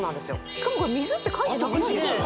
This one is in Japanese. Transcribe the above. しかもこれ水って書いてなくないですか？